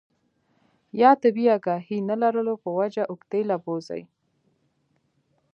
يا طبي اګاهي نۀ لرلو پۀ وجه اوږدې له بوځي